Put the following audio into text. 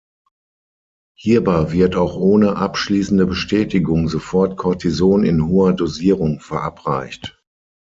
Hierbei wird auch ohne abschließende Bestätigung sofort Kortison in hoher Dosierung verabreicht.